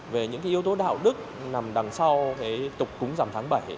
về những yếu tố đạo đức nằm đằng sau tục cúng giảm tháng bảy